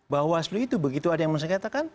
bawaslu itu begitu ada yang mengesekatakan